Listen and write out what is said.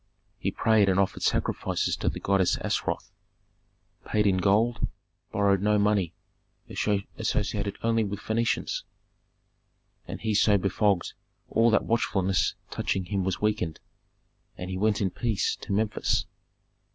He prayed and offered sacrifices to the goddess Astaroth, paid in gold, borrowed no money, associated only with Phœnicians. And he so befogged all that watchfulness touching him was weakened, and he went in peace to Memphis.